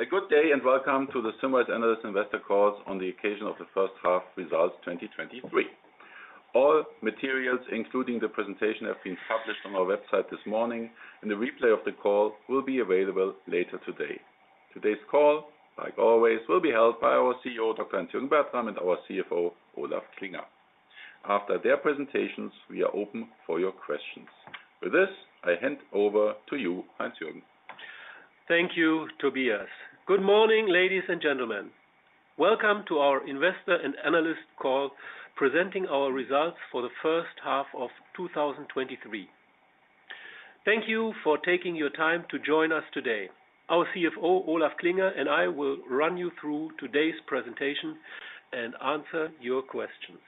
A good day, welcome to the Symrise Analyst Investor Call on the occasion of the first half results 2023. All materials, including the presentation, have been published on our website this morning. The replay of the call will be available later today. Today's call, like always, will be held by our CEO, Dr. Heinz-Jürgen Bertram, and our CFO, Olaf Klinger. After their presentations, we are open for your questions. With this, I hand over to you, Heinz-Jürgen. Thank you, Tobias. Good morning, ladies and gentlemen. Welcome to our Investor and Analyst Call, presenting our results for the first half of 2023. Thank you for taking your time to join us today. Our CFO, Olaf Klinger, and I will run you through today's presentation and answer your questions.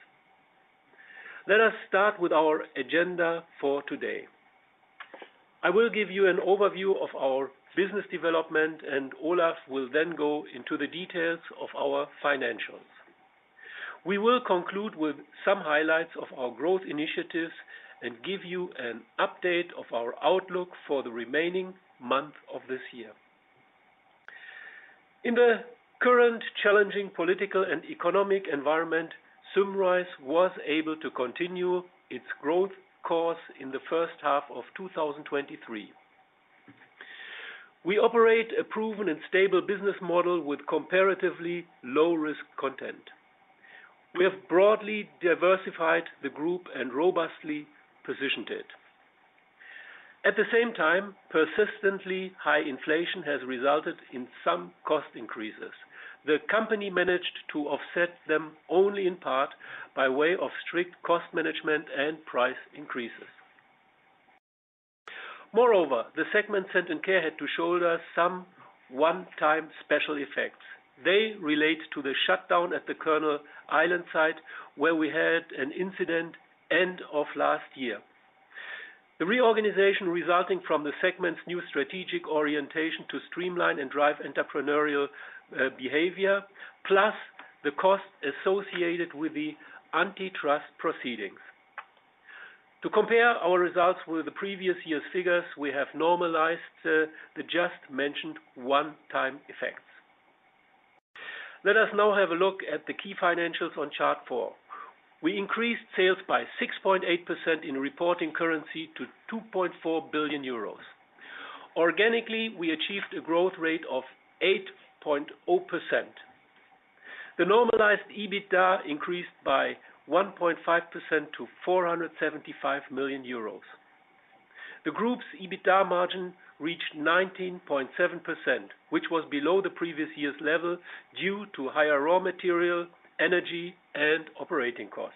Let us start with our agenda for today. I will give you an overview of our business development. Olaf will then go into the details of our financials. We will conclude with some highlights of our growth initiatives and give you an update of our outlook for the remaining months of this year. In the current challenging political and economic environment, Symrise was able to continue its growth course in the first half of 2023. We operate a proven and stable business model with comparatively low-risk content. We have broadly diversified the group and robustly positioned it. At the same time, persistently high inflation has resulted in some cost increases. The company managed to offset them only in part by way of strict cost management and price increases. Moreover, the segment Scent & Care had to shoulder some one-time special effects. They relate to the shutdown at the Colonel's Island site, where we had an incident end of last year. The reorganization resulting from the segment's new strategic orientation to streamline and drive entrepreneurial behavior, plus the cost associated with the antitrust proceedings. To compare our results with the previous year's figures, we have normalized the just mentioned one-time effects. Let us now have a look at the key financials on chart 4. We increased sales by 6.8% in reporting currency to 2.4 billion euros. Organically, we achieved a growth rate of 8.0%. The normalized EBITDA increased by 1.5% to 475 million euros. The group's EBITDA margin reached 19.7%, which was below the previous year's level due to higher raw material, energy, and operating costs.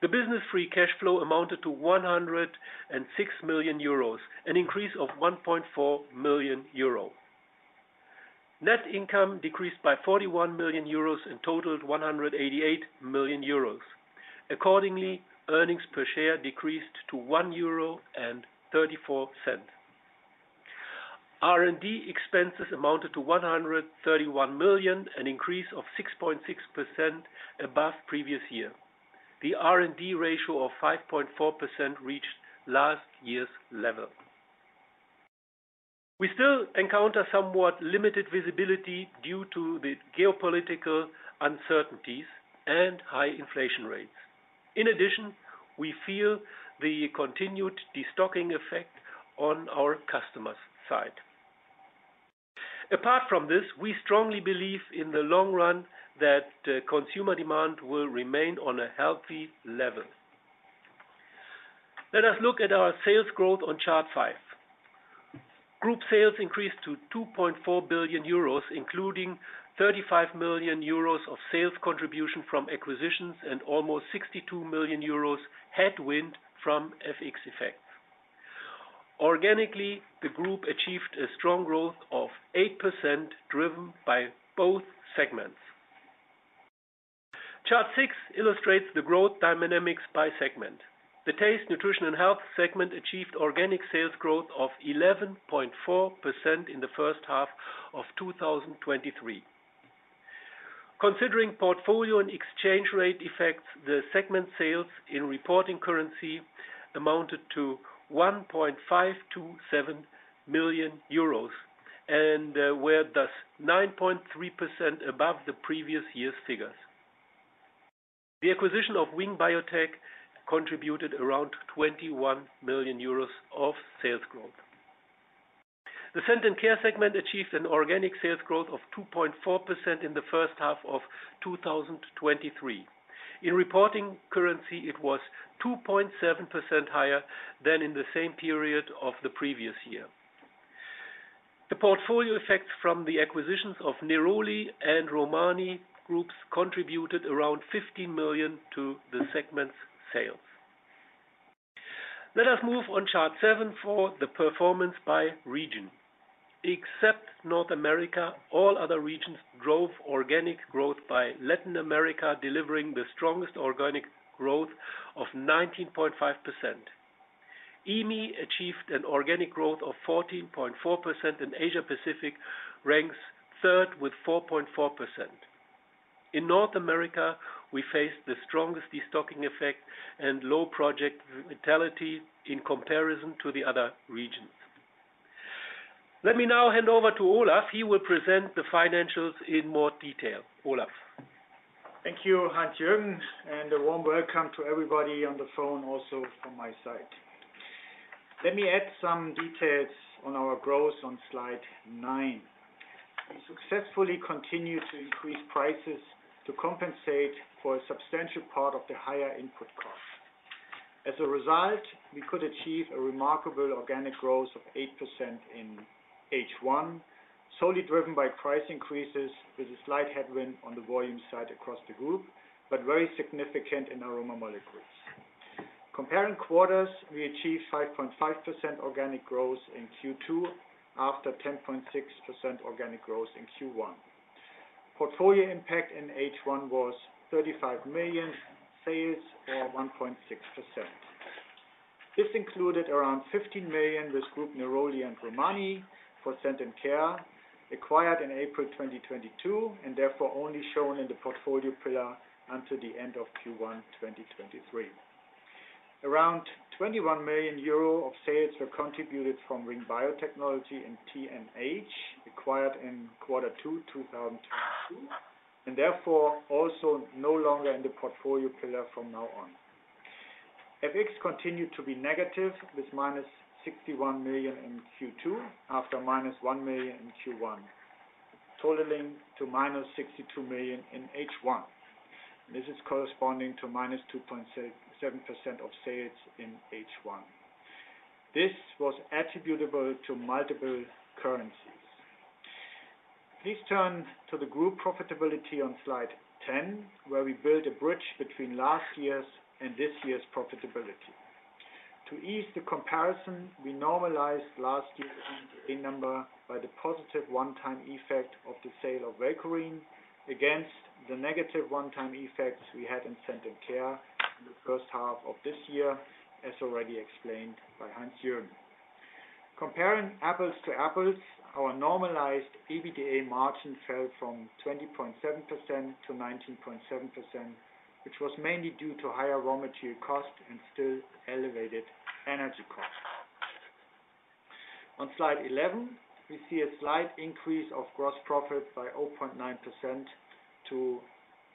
The business free cash flow amounted to 106 million euros, an increase of 1.4 million euro. Net income decreased by 41 million euros and totaled 188 million euros. Accordingly, earnings per share decreased to 1.34 euro. R&D expenses amounted to 131 million, an increase of 6.6% above previous year. The R&D ratio of 5.4% reached last year's level. We still encounter somewhat limited visibility due to the geopolitical uncertainties and high inflation rates. In addition, we feel the continued destocking effect on our customers' side. Apart from this, we strongly believe in the long run that consumer demand will remain on a healthy level. Let us look at our sales growth on chart 5. Group sales increased to 2.4 billion euros, including 35 million euros of sales contribution from acquisitions and almost 62 million euros headwind from FX effects. Organically, the group achieved a strong growth of 8%, driven by both segments. Chart 6 illustrates the growth dynamics by segment. The Taste, Nutrition & Health segment achieved organic sales growth of 11.4% in H1 2023. Considering portfolio and exchange rate effects, the segment sales in reporting currency amounted to 1.527 million euros, and were thus 9.3% above the previous year's figures. The acquisition of Wing Biotech contributed around 21 million euros of sales growth. The Scent & Care segment achieved an organic sales growth of 2.4% in the first half of 2023. In reporting currency, it was 2.7% higher than in the same period of the previous year. The portfolio effect from the acquisitions of Neroli and Romani groups contributed around 15 million to the segment's sales. Let us move on chart 7 for the performance by region. Except North America, all other regions organic growth by Latin America, delivering the strongest organic growth of 19.5%. EMEA achieved an organic growth of 14.4%, and Asia-Pacific ranks third with 4.4%. In North America, we faced the strongest destocking effect and low project vitality in comparison to the other regions. Let me now hand over to Olaf. He will present the financials in more detail. Olaf? Thank you, Heinz-Jürgen, and a warm welcome to everybody on the phone, also from my side. Let me add some details on our growth on slide 9. We successfully continued to increase prices to compensate for a substantial part of the higher input cost. As a result, we could achieve a remarkable organic growth of 8% in H1, solely driven by price increases, with a slight headwind on the volume side across the group, but very significant in aroma molecules. Comparing quarters, we achieved 5.5% organic growth in Q2, after 10.6% organic growth in Q1. Portfolio impact in H1 was 35 million sales, or 1.6%. This included around 15 million with Groupe Néroli and Romani for Scent & Care, acquired in April 2022, and therefore only shown in the portfolio pillar until the end of Q1 2023. Around 21 million euro of sales were contributed from Wing Biotechnology and TNH, acquired in Q2 2002, and therefore also no longer in the portfolio pillar from now on. FX continued to be negative, with -61 million in Q2, after -1 million in Q1, totaling to -62 million in H1. This is corresponding to -2.7% of sales in H1. This was attributable to multiple currencies. Please turn to the group profitability on slide 10, where we build a bridge between last year's and this year's profitability. To ease the comparison, we normalized last year's A number by the positive one-time effect of the sale of Velcorin against the negative one-time effects we had in Scent & Care in the first half of this year, as already explained by Heinz-Jürgen. Comparing apples to apples, our normalized EBITDA margin fell from 20.7% to 19.7%, which was mainly due to higher raw material cost and still elevated energy costs. On slide 11, we see a slight increase of gross profit by 0.9% to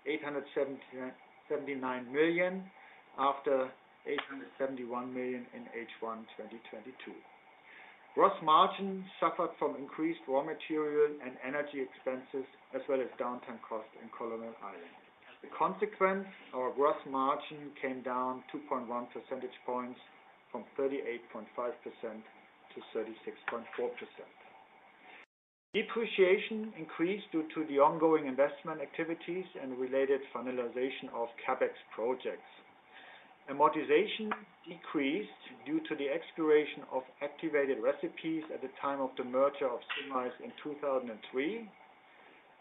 879 million, after 871 million in H1 2022. Gross margin suffered from increased raw material and energy expenses, as well as downtime costs in Colonel's Island. The consequence, our gross margin came down 2.1 percentage points from 38.5% to 36.4%. Depreciation increased due to the ongoing investment activities and related finalization of CapEx projects. Amortization decreased due to the expiration of activated recipes at the time of the merger of Symrise in 2003,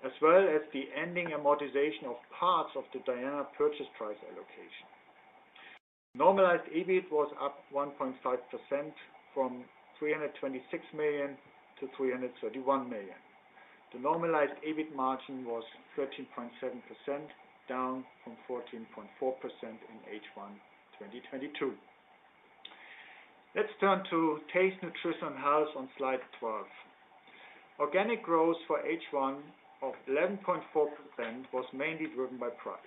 as well as the ending amortization of parts of the Diana purchase price allocation. Normalized EBIT was up 1.5% from 326 million to 331 million. The normalized EBIT margin was 13.7%, down from 14.4% in H1 2022. Let's turn to Taste, Nutrition, Health on slide 12. Organic growth for H1 of 11.4% was mainly driven by price.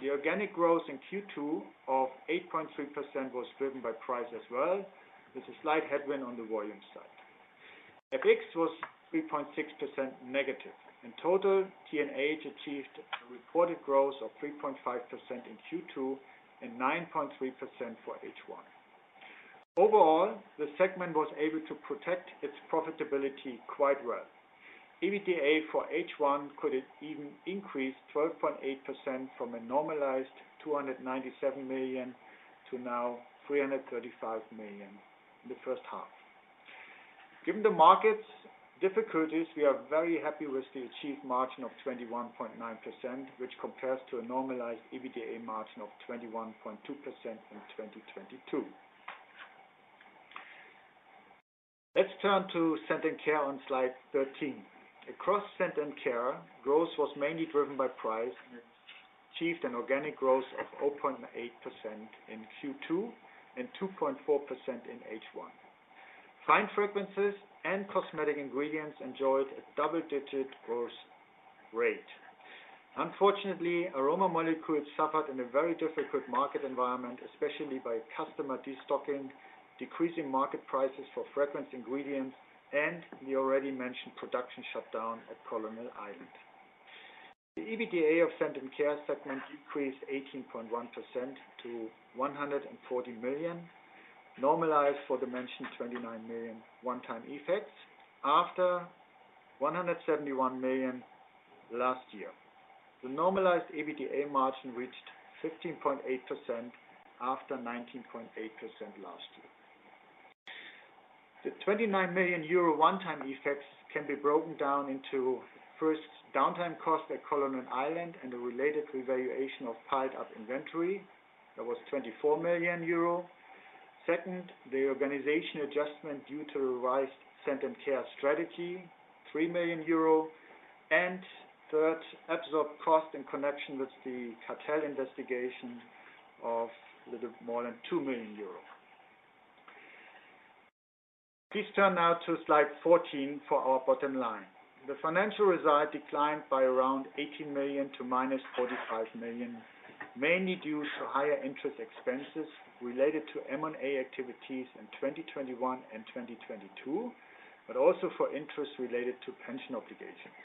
The organic growth in Q2 of 8.3% was driven by price as well, with a slight headwind on the volume side. FX was 3.6% negative. In total, TNH achieved a reported growth of 3.5% in Q2 and 9.3% for H1. Overall, the segment was able to protect its profitability quite well. EBITDA for H1 could even increase 12.8% from a normalized 297 million to now 335 million in the first half. Given the market's difficulties, we are very happy with the achieved margin of 21.9%, which compares to a normalized EBITDA margin of 21.2% in 2022. Let's turn to Scent and Care on slide 13. Across Scent and Care, growth was mainly driven by price, it achieved an organic growth of 0.8% in Q2 and 2.4% in H1. Fine fragrances and cosmetic ingredients enjoyed a double-digit growth rate. Unfortunately, aroma molecules suffered in a very difficult market environment, especially by customer destocking, decreasing market prices for fragrance ingredients, and the already mentioned production shutdown at Colonel Island. The EBITDA of Scent and Care segment decreased 18.1% to 140 million, normalized for the mentioned 29 million one-time effects after 171 million last year. The normalized EBITDA margin reached 15.8% after 19.8% last year. The 29 million euro one-time effects can be broken down into, first, downtime costs at Colonel Island and a related revaluation of piled-up inventory. That was 24 million euro. Second, the organization adjustment due to revised Scent and Care strategy, 3 million euro. Third, absorbed cost in connection with the cartel investigation of little more than 2 million euros. Please turn now to slide 14 for our bottom line. The financial result declined by around 18 million to minus 45 million, mainly due to higher interest expenses related to M&A activities in 2021 and 2022, also for interest related to pension obligations.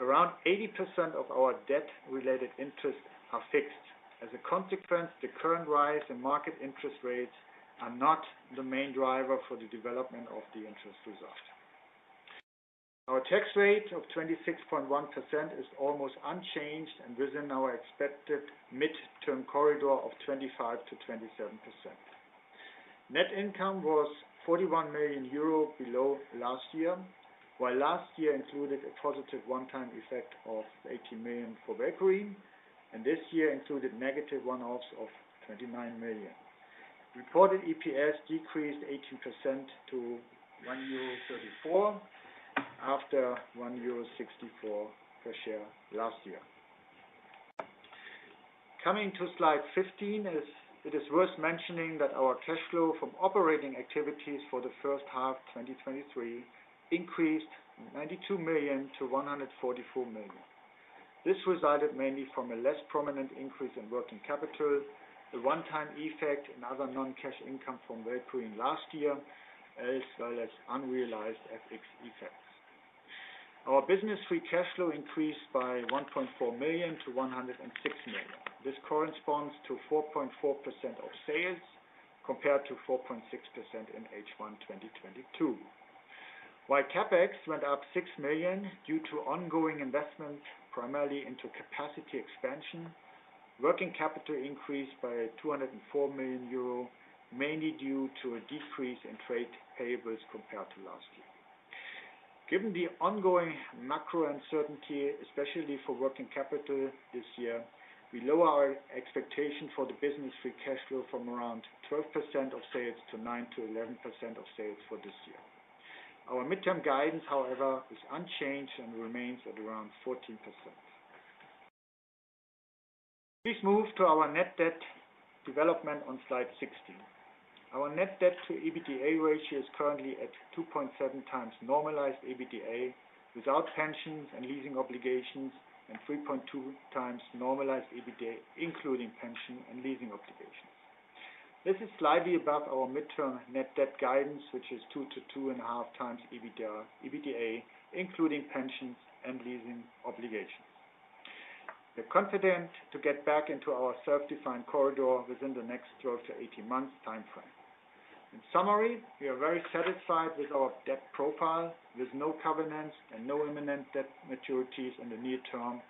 Around 80% of our debt-related interests are fixed. As a consequence, the current rise in market interest rates are not the main driver for the development of the interest result. Our tax rate of 26.1% is almost unchanged and within our expected midterm corridor of 25%-27%. Net income was 41 million euro below last year, while last year included a positive one-time effect of 18 million for Velcorin, and this year included negative one-offs of 29 million. Reported EPS decreased 18% to 1.34 euro, after 1.64 euro per share last year. Coming to slide 15, it is worth mentioning that our cash flow from operating activities for the first half 2023 increased 92 million to 144 million. This resulted mainly from a less prominent increase in working capital, the one-time effect and other non-cash income from Velcorin last year, as well as unrealized FX effects. Our business free cash flow increased by 1.4 million to 106 million. This corresponds to 4.4% of sales, compared to 4.6% in H1 2022. While CapEx went up 6 million due to ongoing investment, primarily into capacity expansion, working capital increased by 204 million euro, mainly due to a decrease in trade payables compared to last year. Given the ongoing macro uncertainty, especially for working capital this year, we lower our expectation for the business free cash flow from around 12% of sales to 9%-11% of sales for this year. Our midterm guidance, however, is unchanged and remains at around 14%. Please move to our net debt development on slide 16. Our net debt to EBITDA ratio is currently at 2.7x normalized EBITDA, without pensions and leasing obligations, and 3.2x normalized EBITDA, including pension and leasing obligations. This is slightly above our midterm net debt guidance, which is 2x-2.5x EBITDA, including pensions and leasing obligations. We're confident to get back into our self-defined corridor within the next 12-18 months time frame. In summary, we are very satisfied with our debt profile, with no covenants and no imminent debt maturities in the near term,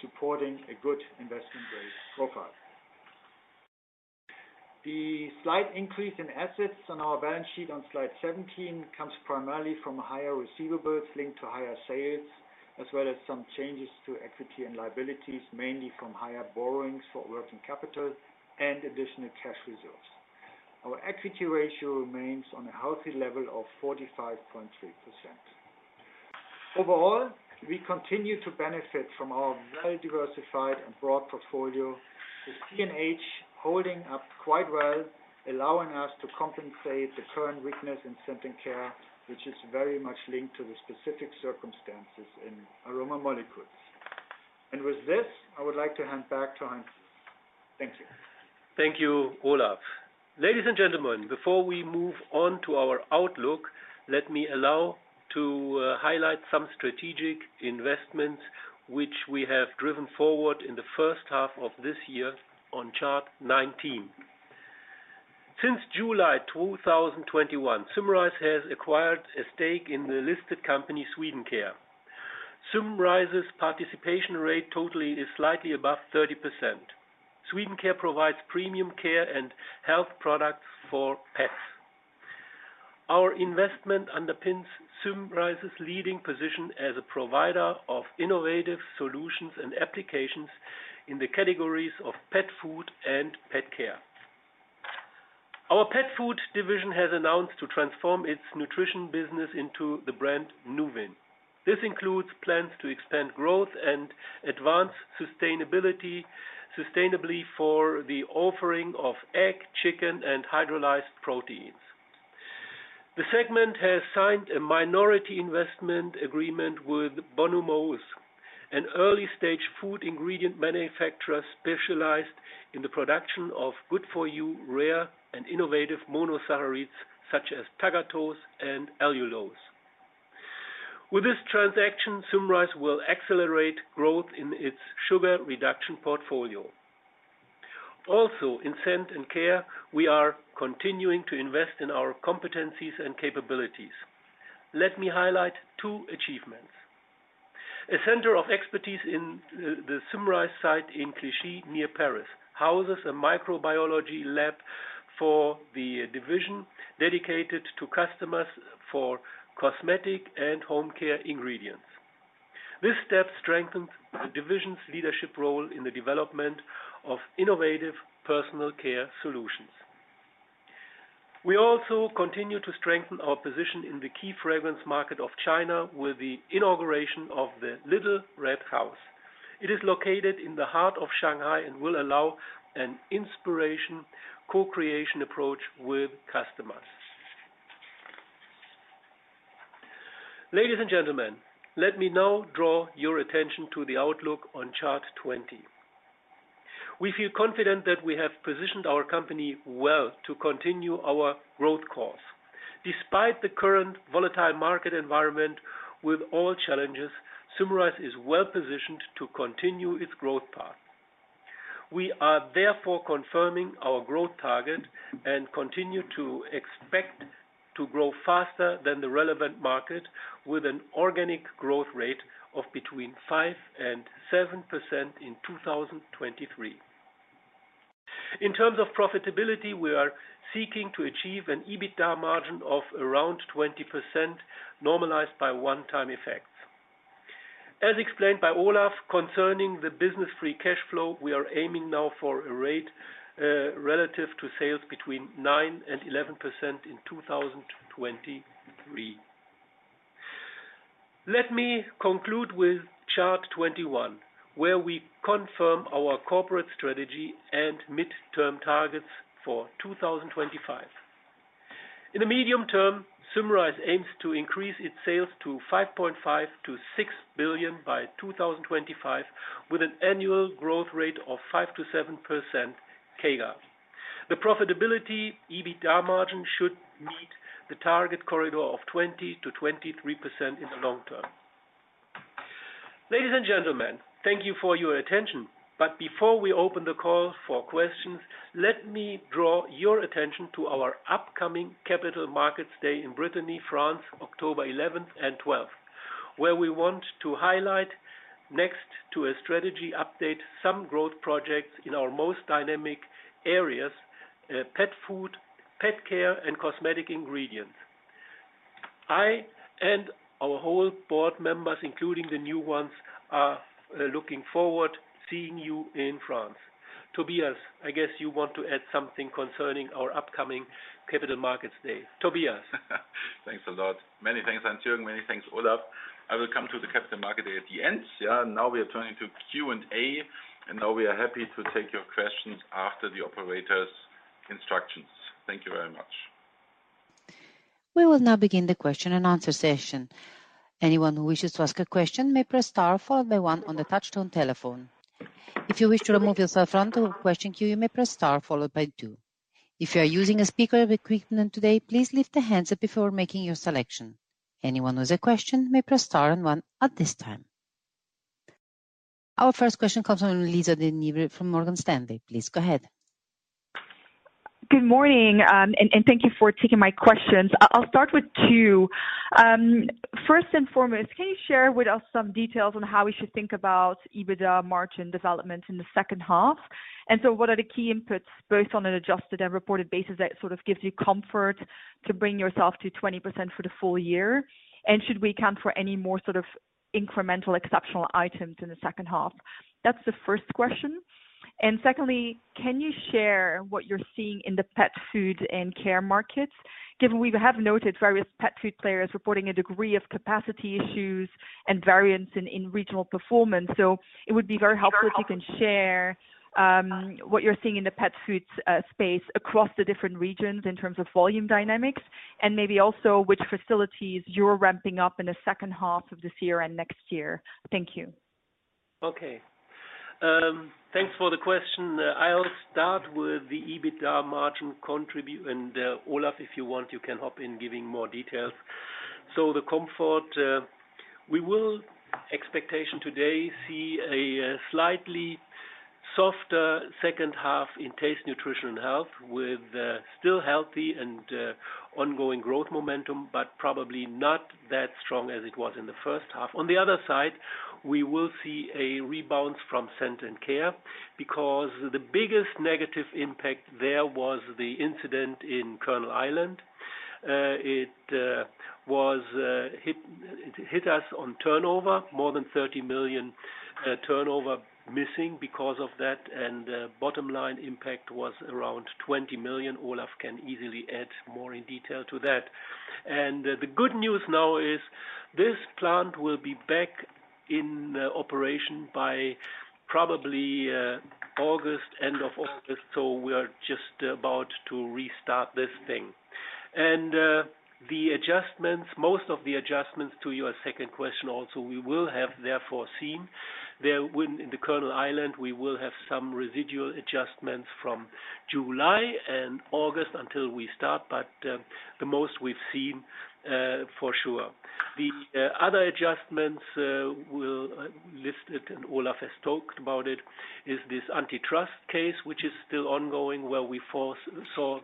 supporting a good investment grade profile. The slight increase in assets on our balance sheet on slide 17, comes primarily from higher receivables linked to higher sales, as well as some changes to equity and liabilities, mainly from higher borrowings for working capital and additional cash reserves. Our equity ratio remains on a healthy level of 45.3%. Overall, we continue to benefit from our well-diversified and broad portfolio, with TNH holding up quite well, allowing us to compensate the current weakness in Scent & Care, which is very much linked to the specific circumstances in Aroma Molecules. With this, I would like to hand back to Heinz. Thank you. Thank you, Olaf. Ladies and gentlemen, before we move on to our outlook, let me allow to highlight some strategic investments which we have driven forward in the first half of this year on chart 19. Since July 2021, Symrise has acquired a stake in the listed company, Swedencare. Symrise's participation rate totally is slightly above 30%. Swedencare provides premium care and health products for pets. Our investment underpins Symrise's leading position as a provider of innovative solutions and applications in the categories of pet food and pet care. Our pet food division has announced to transform its nutrition business into the brand, Nuvin. This includes plans to expand growth and advance sustainably for the offering of egg, chicken, and hydrolyzed proteins. The segment has signed a minority investment agreement with Bonumose, an early-stage food ingredient manufacturer specialized in the production of good-for-you, rare, and innovative monosaccharides, such as tagatose and allulose. With this transaction, Symrise will accelerate growth in its sugar reduction portfolio. Also, in Scent & Care, we are continuing to invest in our competencies and capabilities. Let me highlight two achievements. A center of expertise in the Symrise site in Clichy, near Paris, houses a microbiology lab for the division, dedicated to customers for cosmetic and home care ingredients.... This step strengthens the division's leadership role in the development of innovative personal care solutions. We also continue to strengthen our position in the key fragrance market of China, with the inauguration of the Little Red House. It is located in the heart of Shanghai and will allow an inspiration, co-creation approach with customers. Ladies and gentlemen, let me now draw your attention to the outlook on Chart 20. We feel confident that we have positioned our company well to continue our growth course. Despite the current volatile market environment with all challenges, Symrise is well positioned to continue its growth path. We are therefore confirming our growth target and continue to expect to grow faster than the relevant market, with an organic growth rate of between 5% and 7% in 2023. In terms of profitability, we are seeking to achieve an EBITDA margin of around 20%, normalized by one-time effects. As explained by Olaf, concerning the business free cash flow, we are aiming now for a rate relative to sales between 9% and 11% in 2023. Let me conclude with Chart 21, where we confirm our corporate strategy and midterm targets for 2025. In the medium term, Symrise aims to increase its sales to $5.5 billion-$6 billion by 2025, with an annual growth rate of 5%-7% CAGR. The profitability, EBITDA margin, should meet the target corridor of 20%-23% in the long term. Ladies and gentlemen, thank you for your attention. Before we open the call for questions, let me draw your attention to our upcoming Capital Markets Day in Brittany, France, October 11th and 12th, where we want to highlight, next to a strategy update, some growth projects in our most dynamic areas: pet food, pet care, and cosmetic ingredients. I and our whole board members, including the new ones, are looking forward to seeing you in France. Tobias, I guess you want to add something concerning our upcoming Capital Markets Day. Tobias? Thanks a lot. Many thanks, Heinz-Jürgen. Many thanks, Olaf. I will come to the Capital Market Day at the end. Yeah, now we are turning to Q&A. Now we are happy to take your questions after the operator's instructions. Thank you very much. We will now begin the question-and-answer session. Anyone who wishes to ask a question, may press star, followed by one on the touch-tone telephone. If you wish to remove yourself from the question queue, you may press star, followed by two. If you are using a speaker equipment today, please lift the handset before making your selection. Anyone with a question may press star and one at this time. Our first question comes from Lisa De Neve from Morgan Stanley. Please go ahead. Good morning, and thank you for taking my questions. I, I'll start with 2. First and foremost, can you share with us some details on how we should think about EBITDA margin development in the second half? What are the key inputs, both on an adjusted and reported basis, that sort of gives you comfort to bring yourself to 20% for the full year? Should we account for any more sort of incremental exceptional items in the second half? That's the first question. Secondly, can you share what you're seeing in the pet food and care markets, given we have noted various pet food players reporting a degree of capacity issues and variance in regional performance. It would be very helpful if you can share what you're seeing in the pet foods space across the different regions in terms of volume dynamics, and maybe also which facilities you're ramping up in the second half of this year and next year. Thank you. Okay. Thanks for the question. I'll start with the EBITDA margin contribute, and Olaf, if you want, you can hop in, giving more details. The comfort, we will expectation today see a slightly softer second half in Taste, Nutrition & Health, with still healthy and ongoing growth momentum, but probably not that strong as it was in the first half. On the other side, we will see a rebound from Scent & Care because the biggest negative impact there was the incident in Colonel's Island. It hit us on turnover, more than 30 million turnover missing because of that, and bottom line impact was around 20 million. Olaf can easily add more in detail to that. The good news now is this plant will be back in operation by probably August, end of August, we are just about to restart this thing. The adjustments, most of the adjustments to your second question also, we will have therefore seen. There in the Colonel's Island, we will have some residual adjustments from July and August until we start, the most we've seen for sure. The other adjustments we'll listed, and Olaf has talked about it, is this antitrust case, which is still ongoing, where we saw EUR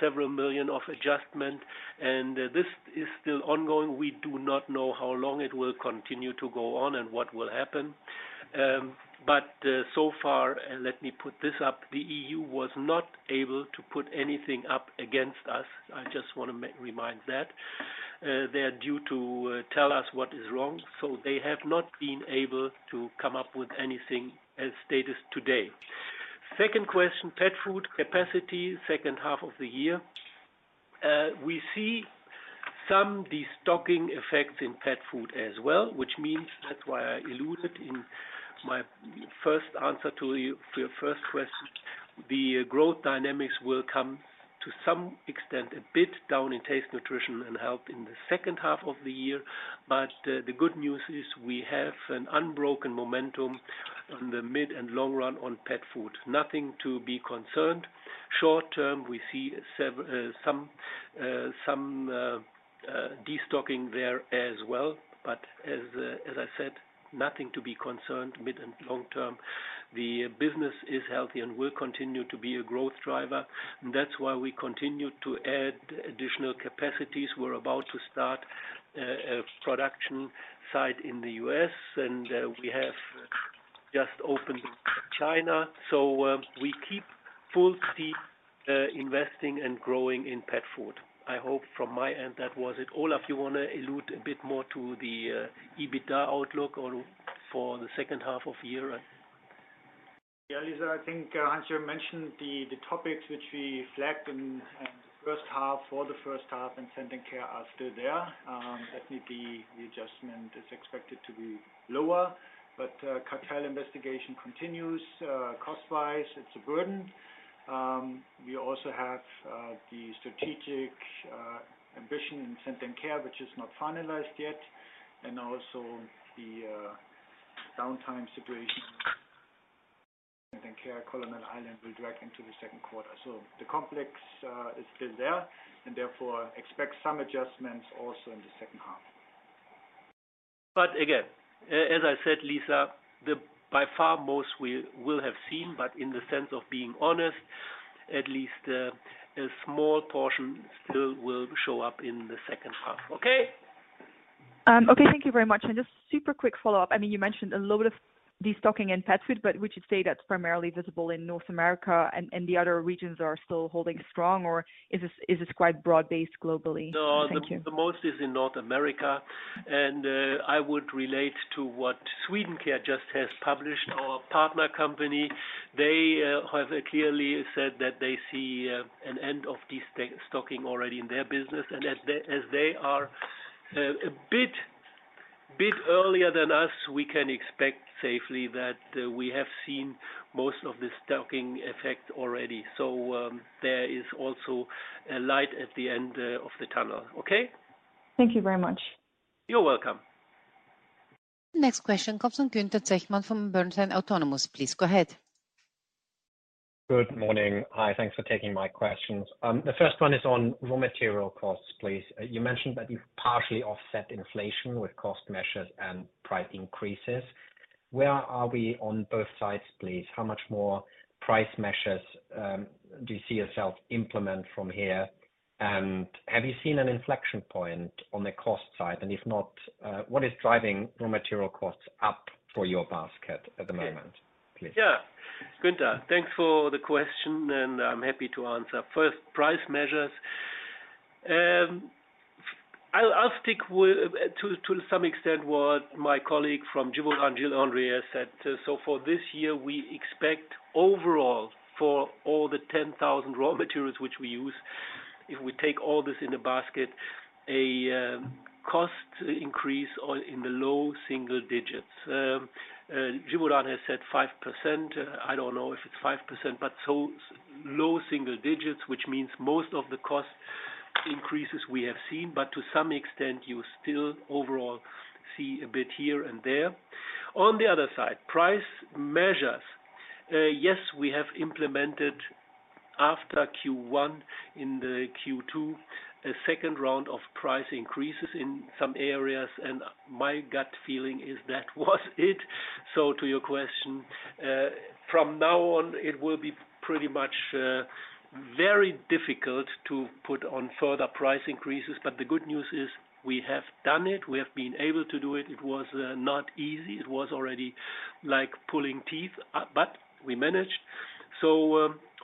several million of adjustment, this is still ongoing. We do not know how long it will continue to go on and what will happen. So far, and let me put this up, the EU was not able to put anything up against us. I just want to remind that. They are due to tell us what is wrong, so they have not been able to come up with anything as status today. 2nd question, pet food capacity, H2. We see some destocking effects in pet food as well, which means that why I alluded in my 1st answer to you, for your 1st question, the growth dynamics will come to some extent, a bit down in Taste, Nutrition & Health in H2. The good news is we have an unbroken momentum in the mid and long run on pet food. Nothing to be concerned. Short term, we see some destocking there as well. As I said, nothing to be concerned mid and long term. The business is healthy and will continue to be a growth driver. That's why we continue to add additional capacities. We're about to start a production site in the US. We have just opened China. We keep full speed investing and growing in pet food. I hope from my end, that was it. Olaf, you want to allude a bit more to the EBITDA outlook or for the second half of year? Yeah, Lisa, I think Hans, you mentioned the topics which we flagged in the first half, for the first half and Scent & Care are still there. Definitely, the adjustment is expected to be lower, but cartel investigation continues. Cost-wise, it's a burden. We also have the strategic ambition in Scent & Care, which is not finalized yet, and also the downtime situation, Scent & Care, Colonel's Island, will drag into the second quarter. The complex is still there, and therefore, expect some adjustments also in the second half. Again, as I said, Lisa, the by far most we will have seen, but in the sense of being honest, at least, a small portion still will show up in the second half. Okay? Okay, thank you very much. Just super quick follow-up. I mean, you mentioned a lot of destocking in pet food, but would you say that's primarily visible in North America and the other regions are still holding strong, or is this quite broad-based globally? Thank you. No, the, the most is in North America. I would relate to what Swedencare just has published, our partner company. They have clearly said that they see an end of destocking already in their business, and as they, as they are a bit earlier than us, we can expect safely that we have seen most of the destocking effect already. There is also a light at the end of the tunnel. Okay? Thank you very much. You're welcome. Next question comes from Gunther Zechmann, from Bernstein Autonomous. Please, go ahead. Good morning. Hi, thanks for taking my questions. The first one is on raw material costs, please. You mentioned that you've partially offset inflation with cost measures and price increases. Where are we on both sides, please? How much more price measures do you see yourself implement from here? Have you seen an inflection point on the cost side, and if not, what is driving raw material costs up for your basket at the moment, please? Yeah. Günther, thanks for the question, I'm happy to answer. First, price measures. I'll, I'll stick with, to, to some extent, what my colleague from Givaudan, Gilles Andrier, said. For this year, we expect overall, for all the 10,000 raw materials which we use, if we take all this in a basket, a cost increase on, in the low single digits. Gilles Andrier has said 5%. I don't know if it's 5%, but low single digits, which means most of the cost increases we have seen, but to some extent, you still overall see a bit here and there. On the other side, price measures. Yes, we have implemented after Q1, in the Q2, a second round of price increases in some areas, my gut feeling is that was it. To your question, from now on, it will be pretty much very difficult to put on further price increases, but the good news is we have done it. We have been able to do it. It was not easy. It was already like pulling teeth, but we managed.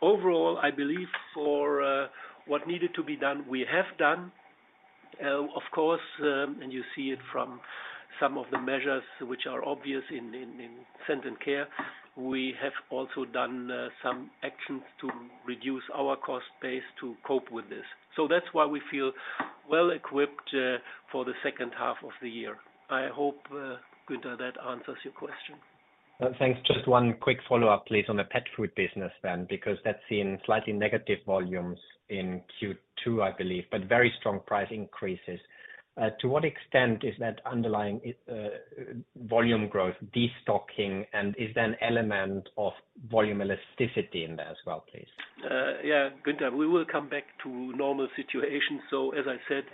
Overall, I believe for what needed to be done, we have done. Of course, you see it from some of the measures which are obvious in Scent & Care. We have also done some actions to reduce our cost base to cope with this. That's why we feel well equipped for the second half of the year. I hope, Günther, that answers your question. Thanks. Just one quick follow-up, please, on the pet food business then, because that's seen slightly negative volumes in Q2, I believe, but very strong price increases. To what extent is that underlying volume growth, destocking, and is there an element of volume elasticity in there as well, please? Yeah, Gunther, we will come back to normal situation. As I said,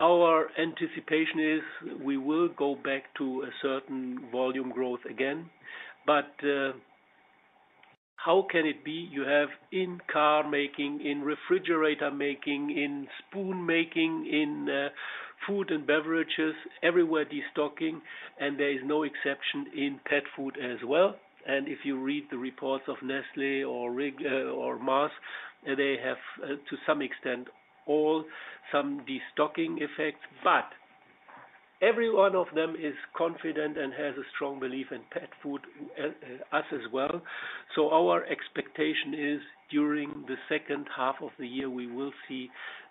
our anticipation is we will go back to a certain volume growth again. How can it be you have in car making, in refrigerator making, in spoon making, in, food and beverages, everywhere, destocking, and there is no exception in pet food as well. If you read the reports of Nestlé or Rig, or Mars, they have, to some extent, all some destocking effects. Every one of them is confident and has a strong belief in pet food, and us as well. Our expectation is during the second half of the year, we will see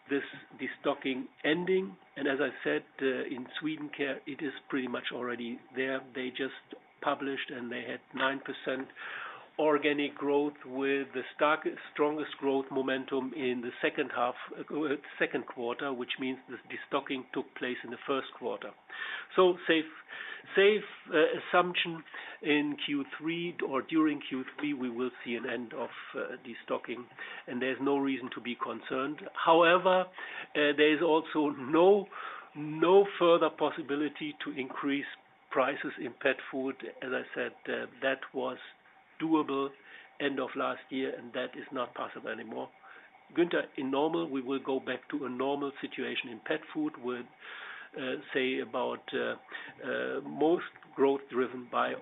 this destocking ending. As I said, in Swedencare, it is pretty much already there. They just published, they had 9% organic growth with the strongest growth momentum in the second half, second quarter, which means the destocking took place in the first quarter. Safe, safe assumption in Q3 or during Q3, we will see an end of destocking, there's no reason to be concerned. However, there is also no, no further possibility to increase prices in pet food. As I said, that was doable end of last year, that is not possible anymore. Gunther, in normal, we will go back to a normal situation in pet food, with say about most growth driven by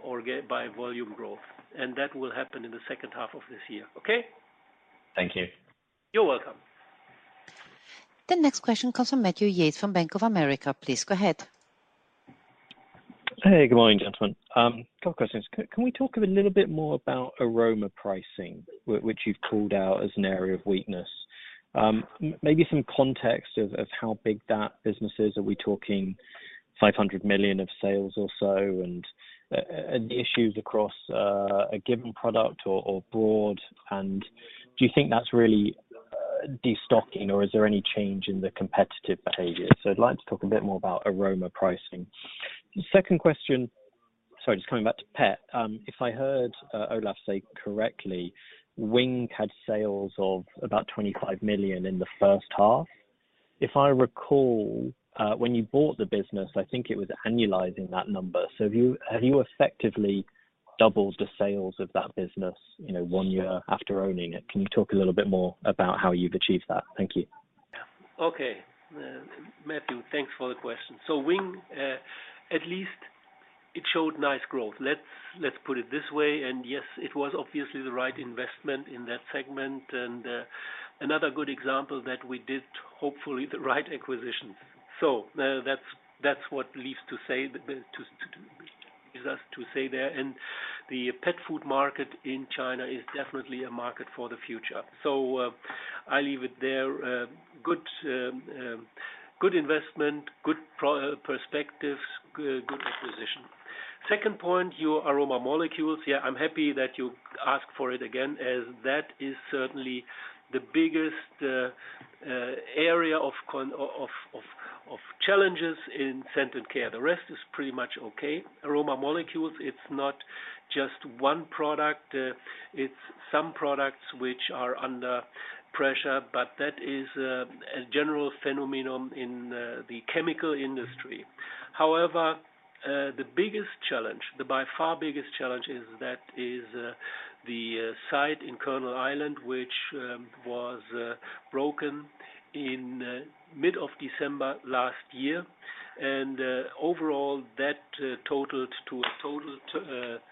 volume growth, that will happen in the second half of this year. Okay? Thank you. You're welcome. The next question comes from Matthew Yates, from Bank of America. Please go ahead. Hey, good morning, gentlemen. A couple questions. Can we talk a little bit more about aroma pricing, which you've called out as an area of weakness? Maybe some context of how big that business is. Are we talking 500 million of sales or so, and issues across a given product or broad? And do you think that's really destocking, or is there any change in the competitive behavior? So I'd like to talk a bit more about aroma pricing. Second question... Sorry, just coming back to pet. If I heard Olaf say correctly, Wing had sales of about 25 million in the first half. If I recall, when you bought the business, I think it was annualizing that number. So have you, have you effectively doubled the sales of that business, you know, one year after owning it? Can you talk a little bit more about how you've achieved that? Thank you. Okay. Matthew, thanks for the question. Wing, at least it showed nice growth. Let's, let's put it this way, yes, it was obviously the right investment in that segment, another good example that we did, hopefully, the right acquisitions. That's, that's what leaves to say, to, to, leaves us to say there. The pet food market in China is definitely a market for the future. I leave it there. Good, good investment, good perspectives, good, good acquisition. Second point, your aroma molecules. Yeah, I'm happy that you asked for it again, as that is certainly the biggest area of of, of, of challenges in Scent & Care. The rest is pretty much okay. Aroma molecules, it's not just one product, it's some products which are under pressure, but that is a general phenomenon in the chemical industry. However, the biggest challenge, the by far biggest challenge is that is the site in Colonel's Island, which was broken in mid of December last year. Overall, that totaled to a total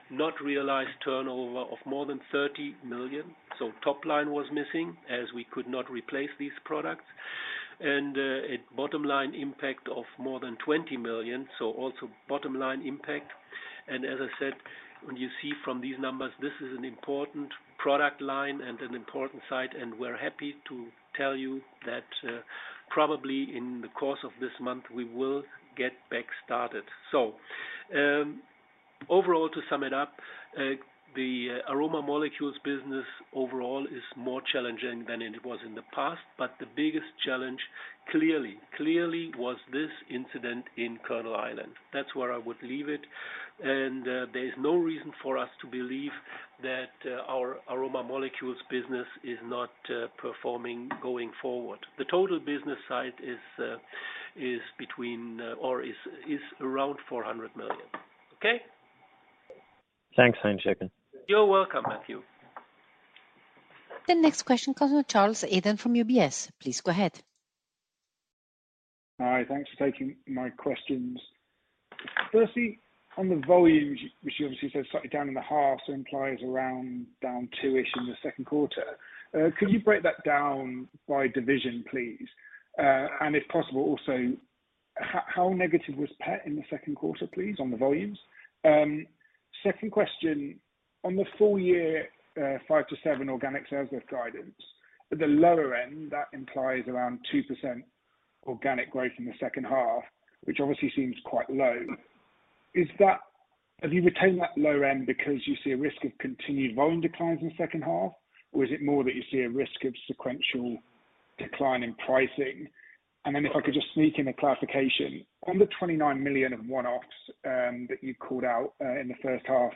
not realized turnover of more than 30 million. Top line was missing as we could not replace these products. A bottom line impact of more than 20 million, so also bottom line impact. As I said, when you see from these numbers, this is an important product line and an important site, and we're happy to tell you that probably in the course of this month, we will get back started. Overall, to sum it up, the aroma molecules business overall is more challenging than it was in the past, but the biggest challenge, clearly, clearly was this incident in Colonel's Island. That's where I would leave it. There is no reason for us to believe that our aroma molecules business is not performing going forward. The total business side is between or is, is around 400 million. Okay? Thanks, Heinz-Jürgen. You're welcome, Matthew. The next question comes from Charles Eden from UBS. Please go ahead. Hi, thanks for taking my questions. Firstly, on the volumes, which you obviously said slightly down in the half, so implies around down 2-ish in Q2. Could you break that down by division, please? If possible, also, how negative was pet in Q2, please, on the volumes? Second question, on the full year, 5%-7% organic sales growth guidance, at the lower end, that implies around 2% organic growth in H2, which obviously seems quite low. Is that, have you retained that low end because you see a risk of continued volume declines in H2, or is it more that you see a risk of sequential decline in pricing? Then if I could just sneak in a clarification, on the 29 million of one-offs, that you called out, in the first half,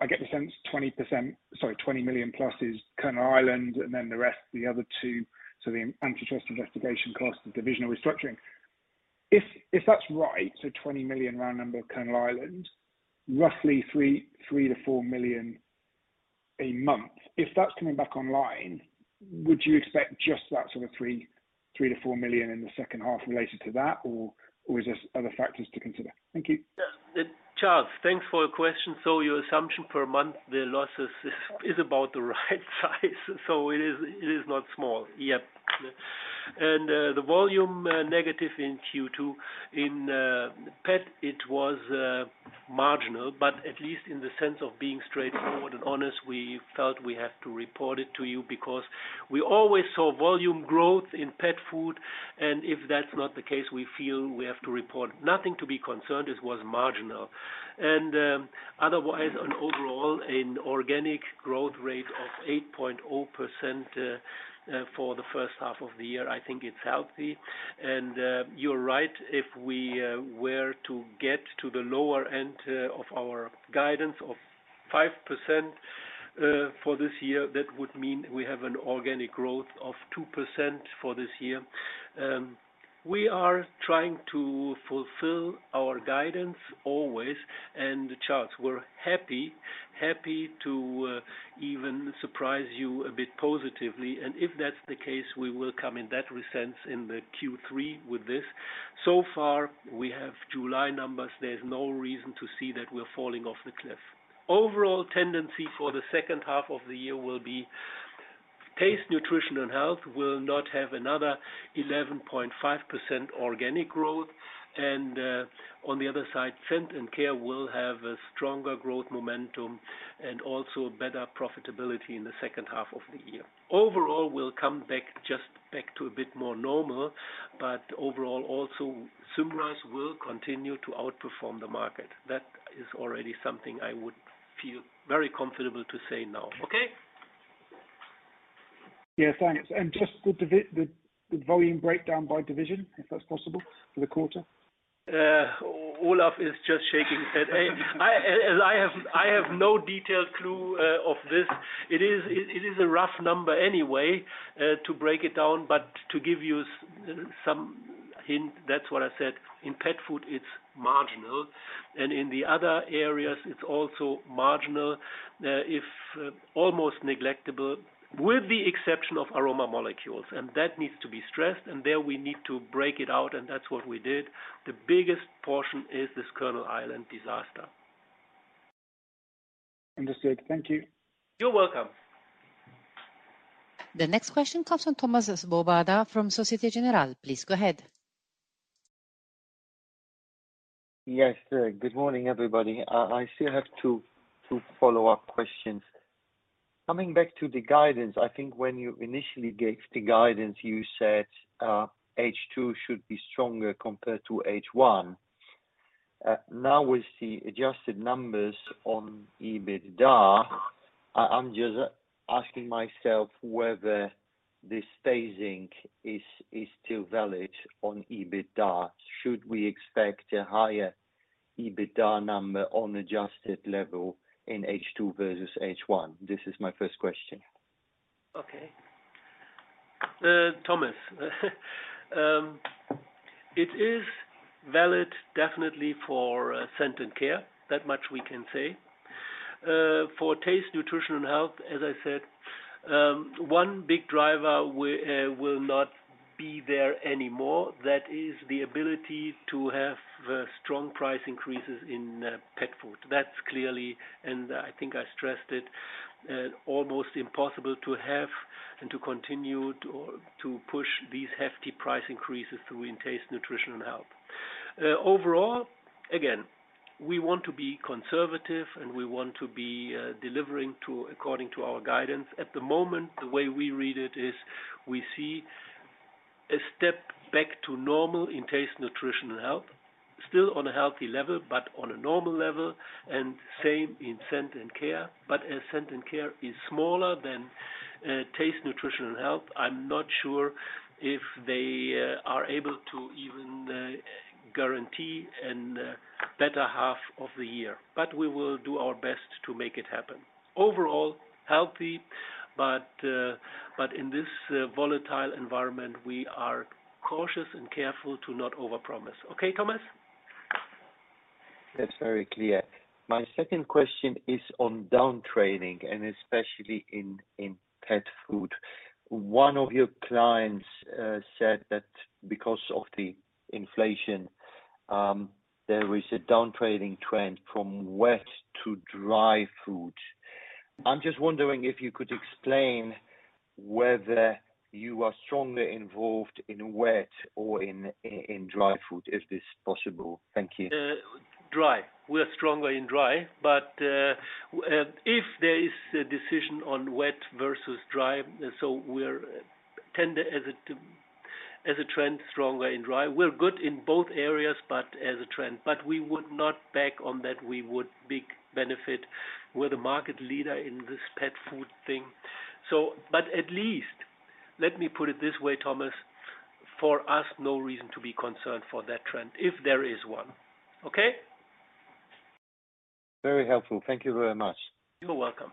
I get the sense 20%... Sorry, 20 million plus is Colonel's Island, and then the rest, the other two, so the antitrust investigation costs, the divisional restructuring. If, if that's right, so 20 million round number, Colonel's Island, roughly 3 million-4 million a month. If that's coming back online, would you expect just that sort of 3 million-4 million in the second half related to that, or, or is this other factors to consider? Thank you. Yeah. Charles, thanks for your question. Your assumption per month, the losses is about the right size, so it is, it is not small. Yep. The volume, negative in Q2, in pet, it was marginal, but at least in the sense of being straightforward and honest, we felt we have to report it to you because we always saw volume growth in pet food, and if that's not the case, we feel we have to report. Nothing to be concerned, this was marginal. Otherwise, on overall, an organic growth rate of 8.0%, for the first half of the year, I think it's healthy. You're right, if we were to get to the lower end of our guidance of 5% for this year, that would mean we have an organic growth of 2% for this year. We are trying to fulfill our guidance always, and Charles, we're happy, happy to even surprise you a bit positively. If that's the case, we will come in that sense in the Q3 with this. So far, we have July numbers. There's no reason to see that we're falling off the cliff. Overall tendency for the second half of the year will be Taste, Nutrition & Health will not have another 11.5% organic growth, and on the other side, Scent & Care will have a stronger growth momentum and also better profitability in the second half of the year. Overall, we'll come back just back to a bit more normal, but overall, also, Symrise will continue to outperform the market. That is already something I would feel very comfortable to say now. Okay? Yeah, thanks. Just the volume breakdown by division, if that's possible, for the quarter? Olaf is just shaking his head. I have, I have no detailed clue of this. It is, it is a rough number anyway to break it down, but to give you some hint, that's what I said. In pet food, it's marginal, and in the other areas, it's also marginal, if almost neglectable, with the exception of aroma molecules, and that needs to be stressed, and there we need to break it out, and that's what we did. The biggest portion is this Colonel's Island disaster. Understood. Thank you. You're welcome. The next question comes from Thomas Bubenheimer from Société Générale. Please go ahead. Yes, good morning, everybody. I still have two, two follow-up questions. Coming back to the guidance, I think when you initially gave the guidance, you said, H2 should be stronger compared to H1. Now, with the adjusted numbers on EBITDA, I'm just asking myself whether this phasing is, is still valid on EBITDA. Should we expect a higher EBITDA number on adjusted level in H2 versus H1? This is my first question. Okay. Thomas, it is valid definitely for Scent & Care. That much we can say. For Taste, Nutrition & Health, as I said, one big driver will not be there anymore. That is the ability to have strong price increases in pet food. That's clearly, and I think I stressed it, almost impossible to have and to continue to push these hefty price increases through in Taste, Nutrition & Health. Overall, again, we want to be conservative, and we want to be delivering according to our guidance. At the moment, the way we read it is, we see a step back to normal in Taste, Nutrition & Health. Still on a healthy level, but on a normal level, and same in Scent & Care. As Scent & Care is smaller than Taste, Nutrition & Health, I'm not sure if they are able to even guarantee a better half of the year. We will do our best to make it happen. Overall, healthy, but in this volatile environment, we are cautious and careful to not overpromise. Okay, Thomas? That's very clear. My second question is on downtrading, and especially in, in pet food. One of your clients said that because of the inflation, there is a downtrading trend from wet to dry food. I'm just wondering if you could explain whether you are strongly involved in wet or in, in dry food, if this possible? Thank you. Dry. We are stronger in dry, but if there is a decision on wet versus dry, so we're tender as a trend, stronger in dry. We're good in both areas, but as a trend. We would not bet on that we would big benefit. We're the market leader in this pet food thing, so. At least, let me put it this way, Thomas, for us, no reason to be concerned for that trend, if there is one. Okay? Very helpful. Thank you very much. You're welcome.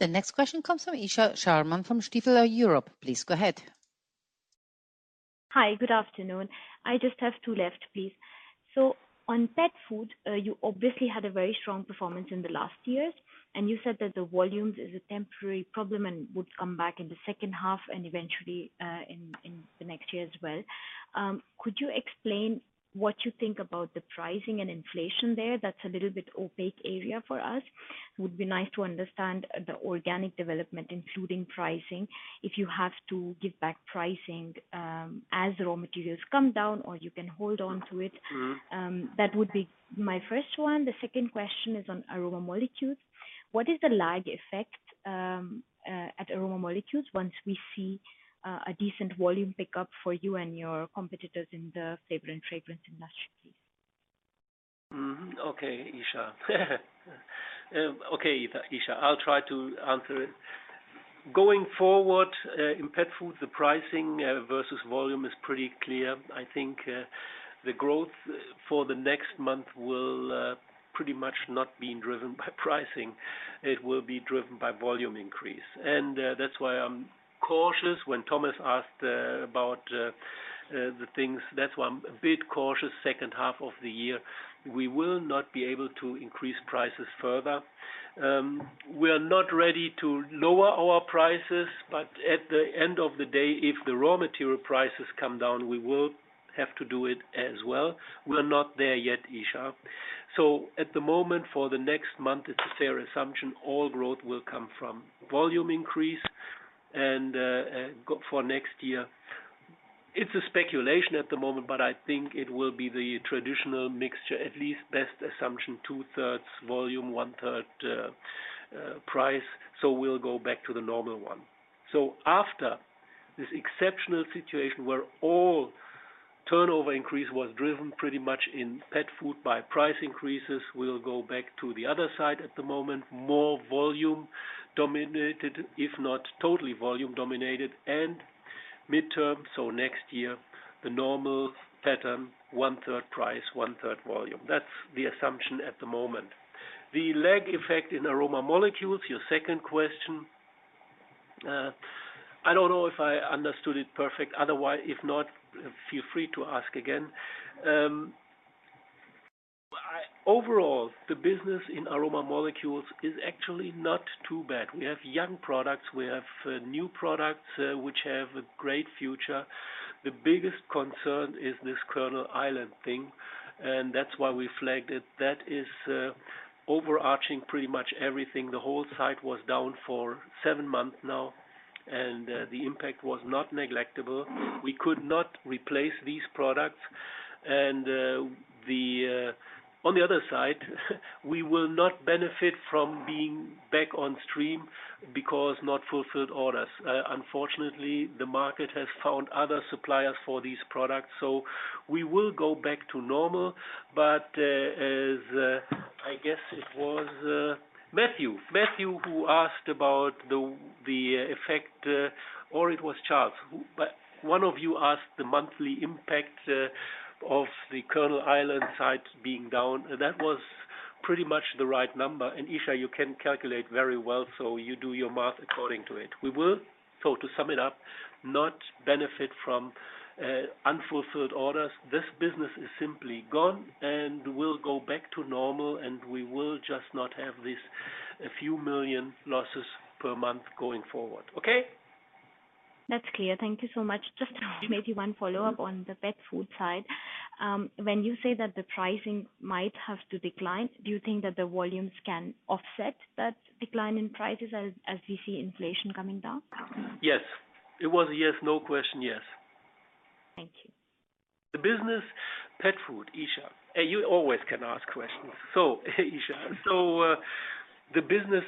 The next question comes from Isha Sharma from Stifel Europe. Please go ahead. Hi, good afternoon. I just have two left, please. On pet food, you obviously had a very strong performance in the last years, and you said that the volumes is a temporary problem and would come back in the second half and eventually, in, in the next year as well. Could you explain what you think about the pricing and inflation there? That's a little bit opaque area for us. Would be nice to understand the organic development, including pricing. If you have to give back pricing, as raw materials come down, or you can hold on to it. That would be my first one. The second question is on aroma molecules. What is the lag effect at aroma molecules, once we see a decent volume pickup for you and your competitors in the flavor and fragrance industry, please? Mm-hmm. Okay, Isha. Okay, Isha, I'll try to answer it. Going forward, in pet food, the pricing versus volume is pretty clear. I think, the growth for the next month will pretty much not being driven by pricing. It will be driven by volume increase, and that's why I'm cautious when Thomas asked about the things. That's why I'm a bit cautious second half of the year, we will not be able to increase prices further. We are not ready to lower our prices, but at the end of the day, if the raw material prices come down, we will have to do it as well. We are not there yet, Isha. At the moment, for the next month, it's a fair assumption all growth will come from volume increase and go for next year. It's a speculation at the moment, but I think it will be the traditional mixture, at least best assumption, 2/3 volume, 1/3 price. We'll go back to the normal one. After this exceptional situation, where all turnover increase was driven pretty much in pet food by price increases, we'll go back to the other side at the moment. More volume dominated, if not totally volume dominated and midterm, so next year, the normal pattern, 1/3 price, 1/3 volume. That's the assumption at the moment. The lag effect in aroma molecules, your second question. I don't know if I understood it perfect, otherwise... If not, feel free to ask again. Overall, the business in aroma molecules is actually not too bad. We have young products. We have new products which have a great future. The biggest concern is this Colonel's Island thing, and that's why we flagged it. That is, overarching pretty much everything. The whole site was down for seven months now, and the impact was not neglectable. We could not replace these products, and on the other side, we will not benefit from being back on stream because not fulfilled orders. Unfortunately, the market has found other suppliers for these products, so we will go back to normal. As I guess it was Matthew, Matthew, who asked about the effect, or it was Charles, who-- but one of you asked the monthly impact of the Colonel's Island site being down. That was pretty much the right number. Isha, you can calculate very well, so you do your math according to it. We will, so to sum it up, not benefit from unfulfilled orders. This business is simply gone, and we'll go back to normal, and we will just not have this a few million losses per month going forward. Okay? That's clear. Thank you so much. Just maybe 1 follow-up on the pet food side. When you say that the pricing might have to decline, do you think that the volumes can offset that decline in prices as, as we see inflation coming down? Yes. It was a yes, no question, yes. Thank you. The business, pet food, Isha. You always can ask questions. Isha, the business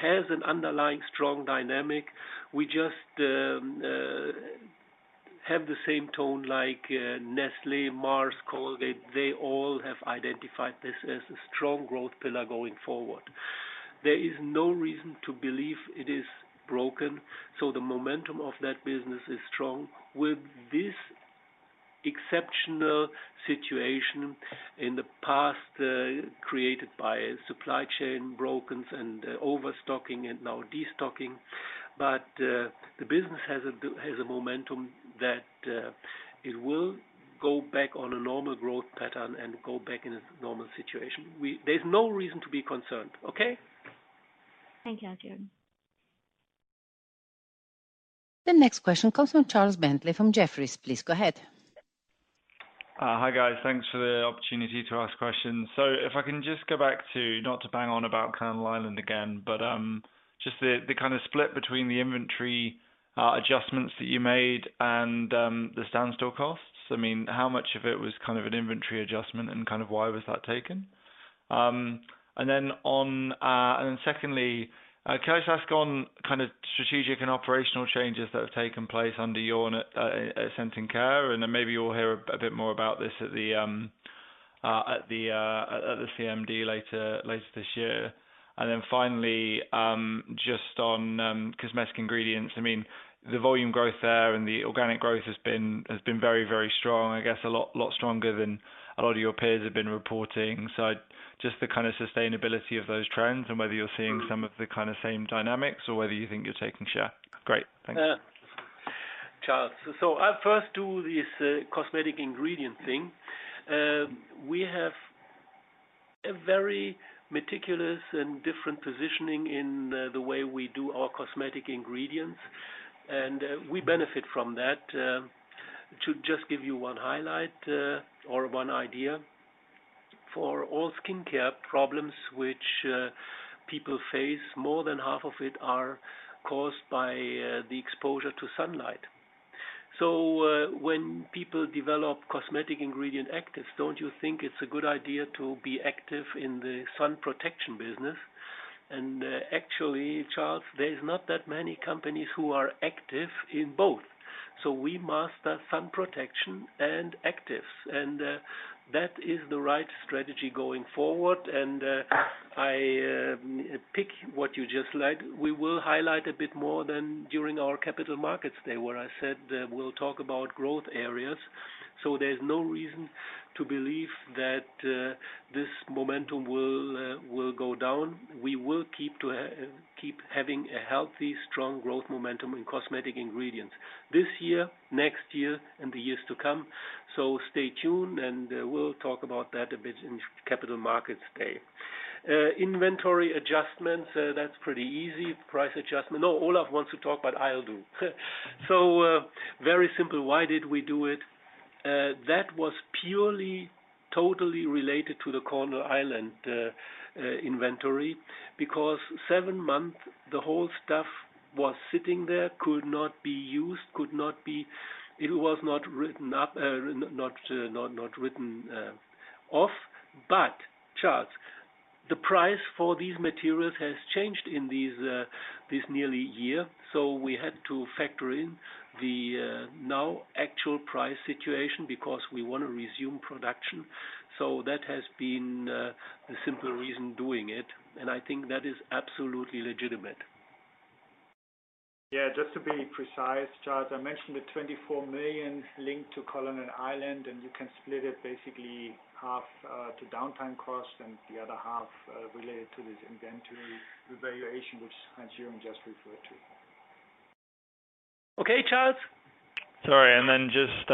has an underlying strong dynamic. We just have the same tone like Nestlé, Mars, Colgate-Palmolive, they all have identified this as a strong growth pillar going forward. There is no reason to believe it is broken, the momentum of that business is strong. With this exceptional situation in the past, created by supply chain brokens and overstocking and now destocking, the business has a momentum that it will go back on a normal growth pattern and go back in a normal situation. There's no reason to be concerned, okay? Thank you, Christian. The next question comes from Charlie Bentley, from Jefferies. Please go ahead. Hi, guys. Thanks for the opportunity to ask questions. If I can just go back to, not to bang on about Colonel's Island again, but just the kind of split between the inventory adjustments that you made and the standstill costs. I mean, how much of it was kind of an inventory adjustment, and kind of why was that taken? Then secondly, can I just ask on kind of strategic and operational changes that have taken place under your Scent & Care, and then maybe you'll hear a bit more about this at the CMD later, later this year. Finally, just on cosmetic ingredients. I mean, the volume growth there and the organic growth has been, has been very, very strong. I guess a lot, lot stronger than a lot of your peers have been reporting. Just the kind of sustainability of those trends and whether you're seeing some of the kind of same dynamics or whether you think you're taking share? Great. Thanks.... Charles. I first do this cosmetic ingredient thing. We have a very meticulous and different positioning in the way we do our cosmetic ingredients, and we benefit from that. To just give you one highlight or one idea. For all skincare problems which people face, more than half of it are caused by the exposure to sunlight. When people develop cosmetic ingredient actives, don't you think it's a good idea to be active in the sun protection business? Actually, Charles, there's not that many companies who are active in both. We master sun protection and actives, and that is the right strategy going forward. I pick what you just like. We will highlight a bit more than during our capital markets day, where I said that we'll talk about growth areas. There's no reason to believe that this momentum will go down. We will keep having a healthy, strong growth momentum in cosmetic ingredients this year, next year, and the years to come. Stay tuned, and we'll talk about that a bit in Capital Markets Day. Inventory adjustments, that's pretty easy. Price adjustment. No, Olaf wants to talk, but I'll do. Very simple, why did we do it? That was purely, totally related to the Colonel's Island inventory, because 7 months, the whole stuff was sitting there, could not be used, could not be. It was not written up, not, not, not written off. Charles, the price for these materials has changed in these, this nearly one year, so we had to factor in the now actual price situation because we want to resume production. That has been the simple reason doing it, and I think that is absolutely legitimate. Yeah, just to be precise, Charles, I mentioned the 24 million linked to Colonel's Island, and you can split it basically 50% to downtime cost and the other 50% related to this inventory revaluation, which Heinz-Jürgen just referred to. Okay, Charles? Sorry, then just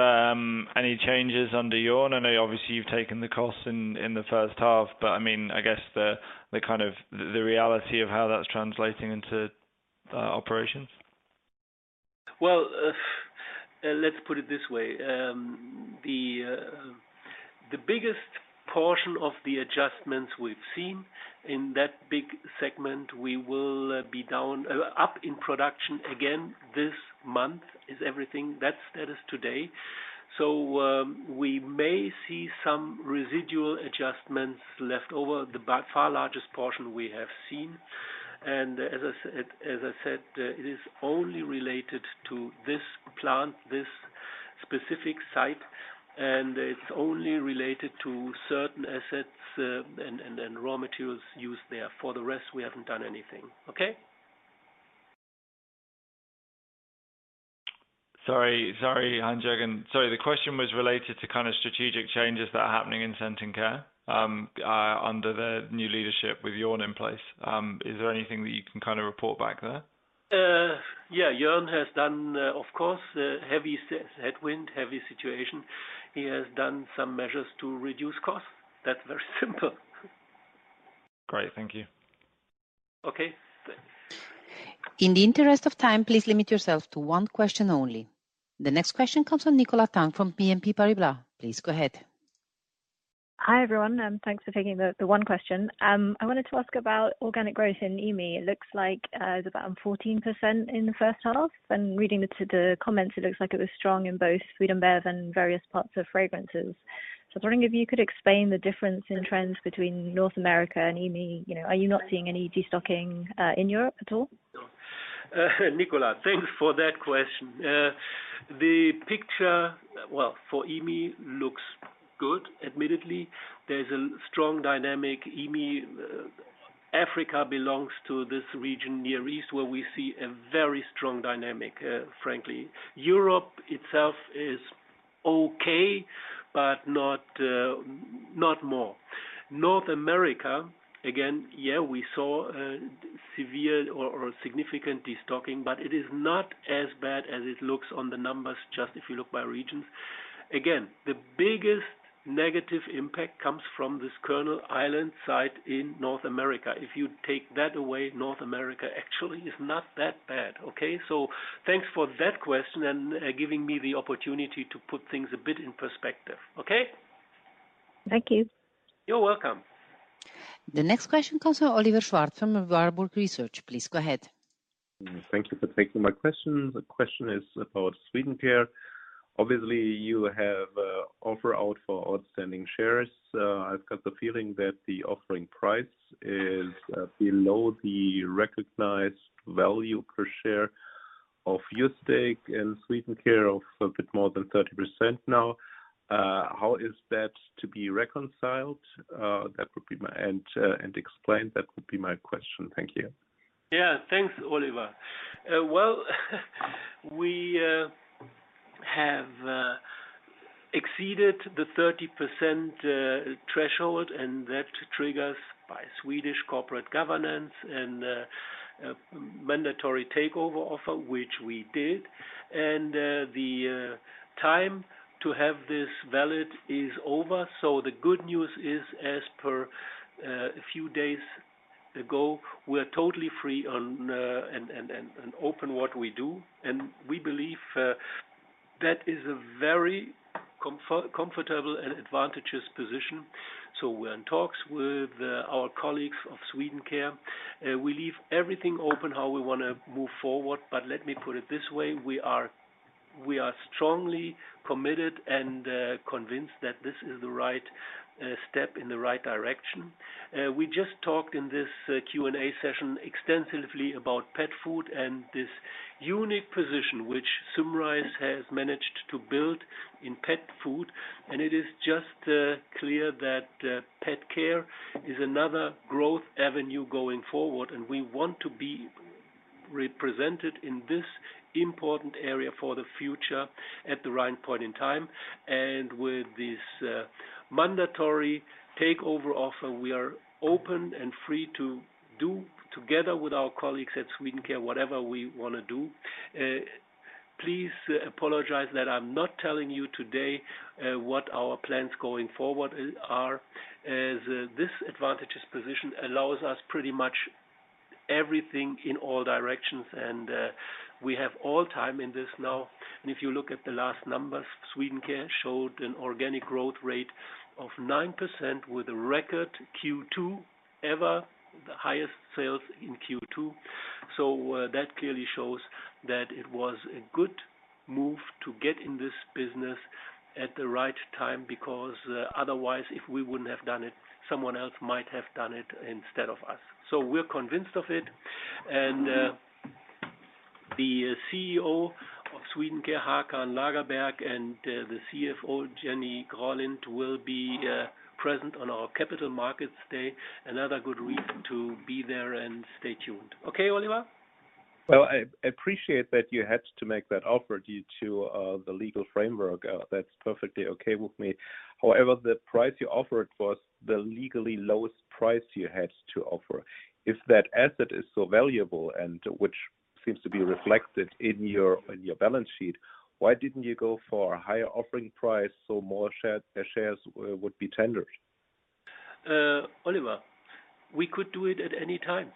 any changes under Jörn? I know obviously you've taken the costs in, in the first half, but I mean, I guess the, the kind of, the reality of how that's translating into operations. Well, let's put it this way. The biggest portion of the adjustments we've seen in that big segment, we will be down, up in production again this month, is everything. That's status today. We may see some residual adjustments left over. The by far largest portion we have seen, and as I said, as I said, it is only related to this plant, this specific site, and it's only related to certain assets, and, and, and raw materials used there. For the rest, we haven't done anything. Okay? Sorry, sorry, Heinz-Jürgen. Sorry, the question was related to kind of strategic changes that are happening in Scent & Care, under the new leadership with Jörn in place. Is there anything that you can kind of report back there? Yeah. Jörn has done, of course, a heavy headwind, heavy situation. He has done some measures to reduce costs. That's very simple. Great. Thank you. Okay. In the interest of time, please limit yourself to 1 question only. The next question comes from Nicola Tang from BNP Paribas. Please go ahead. Hi, everyone, thanks for taking the 1 question. I wanted to ask about organic growth in EMEA. It looks like it's about 14% in the first half, and reading the comments, it looks like it was strong in both Swedencare and various parts of fragrances. I was wondering if you could explain the difference in trends between North America and EMEA. You know, are you not seeing any destocking in Europe at all? Nicola, thanks for that question. The picture, well, for EMEA, looks good admittedly. There's a strong dynamic. EMEA, Africa belongs to this region, Near East, where we see a very strong dynamic, frankly. Europe itself is okay, not, not more. North America, again, yeah, we saw a severe or, or significant destocking, it is not as bad as it looks on the numbers, just if you look by regions. Again, the biggest negative impact comes from this Colonel's Island site in North America. If you take that away, North America actually is not that bad, okay? Thanks for that question and giving me the opportunity to put things a bit in perspective. Okay? Thank you. You're welcome. The next question comes from Oliver Schwarz, from Warburg Research. Please go ahead. Thank you for taking my question. The question is about Swedencare. Obviously, you have offer out for outstanding shares. I've got the feeling that the offering price is below the recognized value per share of your stake in Swedencare of a bit more than 30% now. How is that to be reconciled? That would be my-- and, and explained, that would be my question. Thank you. Yeah. Thanks, Oliver. Well, we have exceeded the 30% threshold, that triggers by Swedish Corporate Governance Code a mandatory takeover offer, which we did. The time to have this valid is over. The good news is, as per a few days ago, we are totally free on and open what we do, we believe that is a very comfortable and advantageous position. We're in talks with our colleagues of Swedencare. We leave everything open how we want to move forward. Let me put it this way: we are, we are strongly committed and convinced that this is the right step in the right direction. We just talked in this Q&A session extensively about pet food and this unique position, which Symrise has managed to build in pet food. It is just clear that pet care is another growth avenue going forward, and we want to be represented in this important area for the future at the right point in time. With this mandatory takeover offer, we are open and free to do together with our colleagues at Swedencare, whatever we want to do. Please apologize that I'm not telling you today what our plans going forward are, as this advantageous position allows us pretty much everything in all directions, and we have all time in this now. If you look at the last numbers, Swedencare showed an organic growth rate of 9% with a record Q2, ever the highest sales in Q2. That clearly shows that it was a good move to get in this business at the right time, because otherwise, if we wouldn't have done it, someone else might have done it instead of us. We're convinced of it. The CEO of Swedencare, Håkan Lagerberg, and the CFO, Jenny Grolind, will be present on our Capital Markets Day. Another good reason to be there and stay tuned. Okay, Oliver? Well, I, I appreciate that you had to make that offer due to the legal framework. That's perfectly okay with me. However, the price you offered was the legally lowest price you had to offer. If that asset is so valuable and which seems to be reflected in your, in your balance sheet, why didn't you go for a higher offering price, so more share, shares would be tendered? Oliver, we could do it at any time.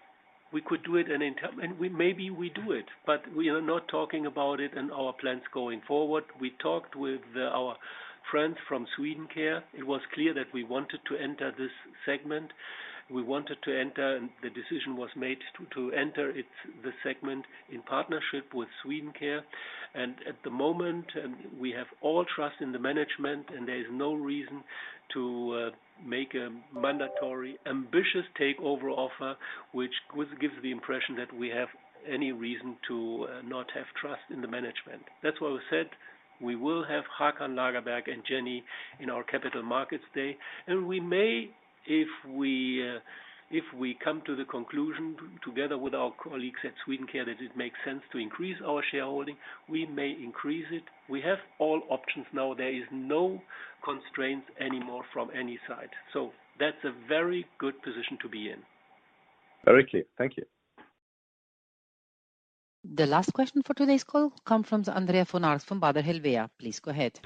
We could do it and in time, maybe we do it, but we are not talking about it in our plans going forward. We talked with our friends from Swedencare. It was clear that we wanted to enter this segment. We wanted to enter, the decision was made to, to enter it, the segment in partnership with Swedencare. At the moment, and we have all trust in the management, and there is no reason to make a mandatory ambitious takeover offer, which gives the impression that we have any reason to not have trust in the management. That's why we said we will have Håkan Lagerberg and Jenny in our Capital Markets Day, and we may, if we, if we come to the conclusion, together with our colleagues at Swedencare, that it makes sense to increase our shareholding, we may increase it. We have all options now. There is no constraints anymore from any side, so that's a very good position to be in. Very clear. Thank you. The last question for today's call comes from Andreas von Arx from Baader Helvea. Please go ahead.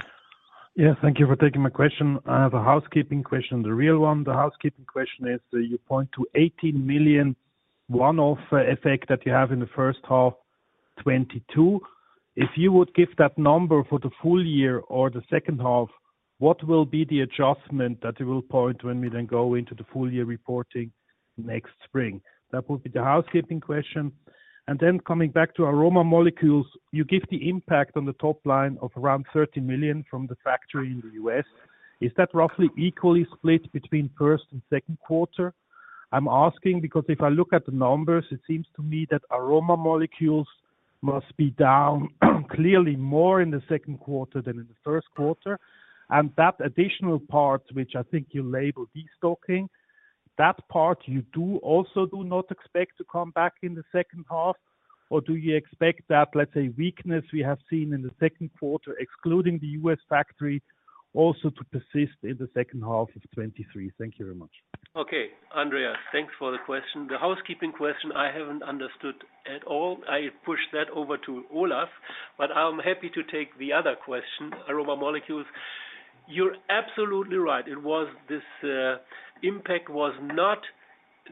Yeah, thank you for taking my question. I have a housekeeping question, the real one. The housekeeping question is, you point to 18 million one-off effect that you have in H1 2022. If you would give that number for the full year or the second half, what will be the adjustment that you will point when we then go into the full year reporting next spring? That would be the housekeeping question. Then coming back to aroma molecules, you give the impact on the top line of around 30 million from the factory in the U.S. Is that roughly equally split between Q1 and Q2? I'm asking because if I look at the numbers, it seems to me that aroma molecules must be down, clearly more in Q2 than in Q1. That additional part, which I think you label destocking, that part you do also do not expect to come back in the second half, or do you expect that, let's say, weakness we have seen in the second quarter, excluding the U.S. factory, also to persist in the second half of 2023? Thank you very much. Okay, Andreas, thanks for the question. The housekeeping question I haven't understood at all. I push that over to Olaf, but I'm happy to take the other question, aroma molecules. You're absolutely right. It was this impact was not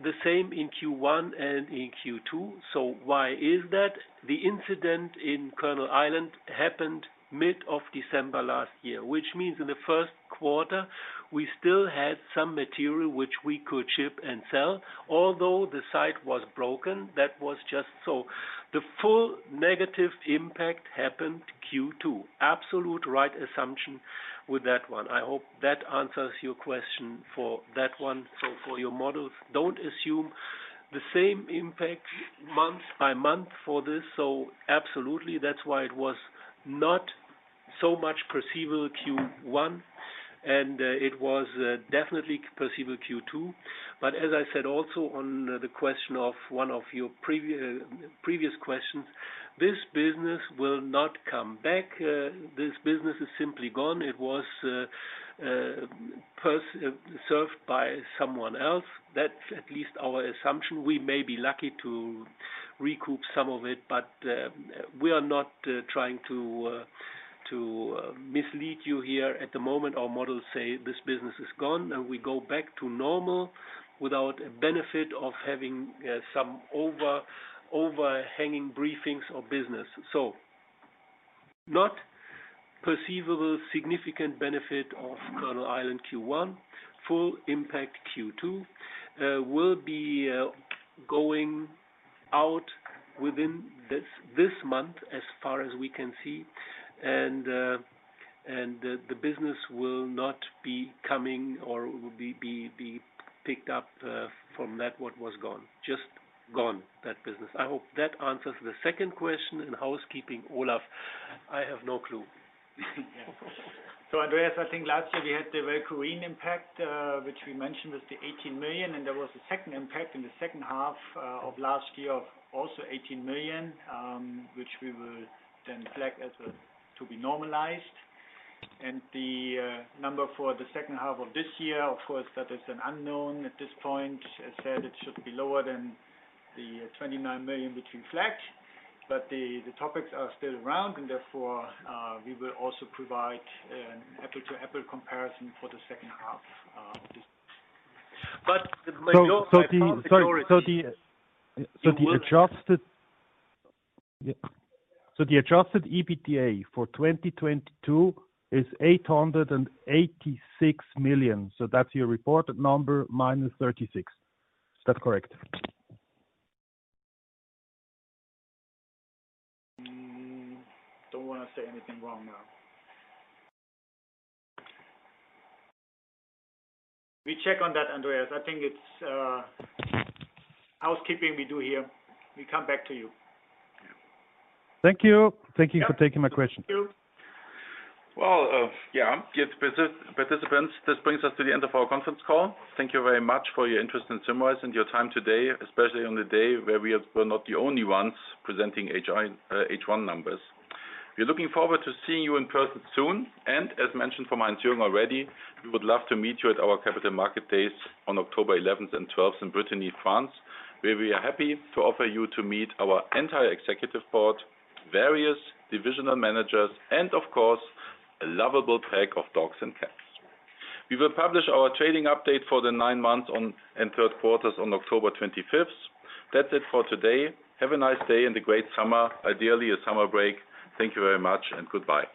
the same in Q1 and in Q2. Why is that? The incident in Colonel's Island happened mid-December last year, which means in the first quarter, we still had some material which we could ship and sell. Although the site was broken, that was just so. The full negative impact happened Q2. Absolute right assumption with that one. I hope that answers your question for that one. For your models, don't assume the same impact month by month for this. Absolutely, that's why it was not so much perceivable Q1. It was definitely perceivable Q2. As I said also on the question of one of your previous questions, this business will not come back. This business is simply gone. It was served by someone else. That's at least our assumption. We may be lucky to recoup some of it, but we are not trying to mislead you here. At the moment, our models say this business is gone, we go back to normal without a benefit of having some overhanging briefings or business. Not perceivable, significant benefit of Colonel's Island Q1. Full impact Q2 will be going out within this month, as far as we can see, and the business will not be coming or will be picked up from that what was gone. Just gone, that business. I hope that answers the second question. Housekeeping, Olaf, I have no clue. Andreas, I think last year we had the very Girvan impact, which we mentioned was the 18 million, and there was a second impact in the second half of last year of also 18 million, which we will then flag as to be normalized. The number for the second half of this year, of course, that is an unknown at this point. As said, it should be lower than the 29 million, which we flagged, but the topics are still around, and therefore, we will also provide an apple-to-apple comparison for the second half of this. My overall priority. The adjusted EBITDA for 2022 is 886 million. That's your reported number, minus 36. Is that correct? Don't want to say anything wrong now. We check on that, Andreas. I think it's housekeeping we do here. We come back to you. Yeah. Thank you. Thank you for taking my question. Thank you. Well, yeah, dear participants, this brings us to the end of our conference call. Thank you very much for your interest in Symrise and your time today, especially on the day where we are, were not the only ones presenting H1 numbers. We're looking forward to seeing you in person soon, and as mentioned from my insurance already, we would love to meet you at our Capital Markets Days on October 11th and 12th in Brittany, France, where we are happy to offer you to meet our entire executive board, various divisional managers, and of course, a lovable pack of dogs and cats. We will publish our trading update for the nine months on, and third quarters on October 25th. That's it for today. Have a nice day and a great summer. Ideally, a summer break. Thank you very much, and goodbye.